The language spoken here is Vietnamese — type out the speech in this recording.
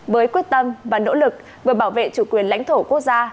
với quyết tâm và nỗ lực vừa bảo vệ chủ quyền lãnh thổ quốc gia